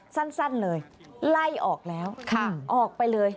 สั้นเลยไล่ออกแล้วออกไปเลย